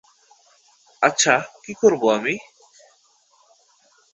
আচ্ছা, কি করব আমি?